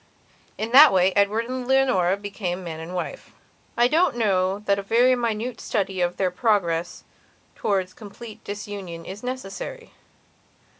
In that way Edward and Leonora became man and wife. I don't know that a very minute study of their progress towards complete disunion is necessary.